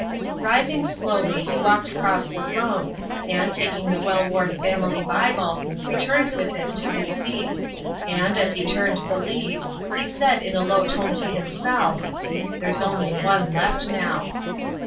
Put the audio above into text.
Rising slowly, he walked across the room, and, taking the well worn family Bible, returned with it to his seat; and, as he turned the leaves, he said in a low tone to himself, "There's only one left now!"